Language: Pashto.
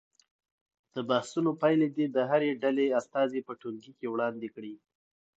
د بحثونو پایلې دې د هرې ډلې استازي په ټولګي کې وړاندې کړي.